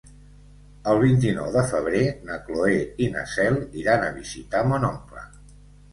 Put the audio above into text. El vint-i-nou de febrer na Cloè i na Cel iran a visitar mon oncle.